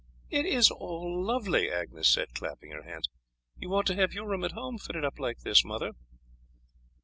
"It is all lovely!" Agnes said, clapping her hands. "You ought to have your room at home fitted up like this, mother."